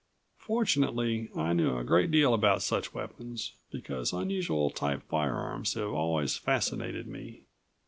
Fortunately I knew a great deal about such weapons, because unusual type firearms have always fascinated me.